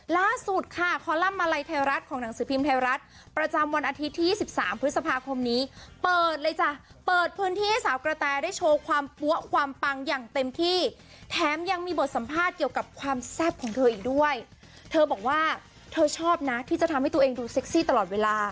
ล่าสุดค่ะคอลัมป์มาลัยไทยรัฐของหนังสือพิมพ์ไทยรัฐประจำวันอาทิตย์ที่๒๓พฤษภาคมนี้เปิดเลยจ้ะเปิดพื้นที่ให้สาวกระแตได้โชว์ความปั๊วความปังอย่างเต็มที่แถมยังมีบทสัมภาษณ์เกี่ยวกับความแซ่บของเธออีกด้วยเธอบอกว่าเธอชอบนะที่จะทำให้ตัวเองดูเซ็กซี่ตลอดเวลา